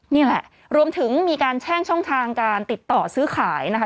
นี่แหละรวมถึงมีการแช่งช่องทางการติดต่อซื้อขายนะคะ